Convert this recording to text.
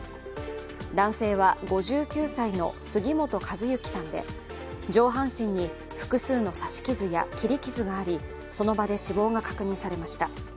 男性は、５９歳の杉本和幸さんで上半身に複数の刺し傷や切り傷がありその場で死亡が確認されました。